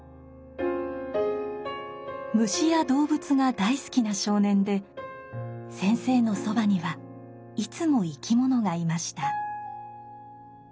虫や動物が大好きな少年でセンセイのそばにはいつも生き物がいました。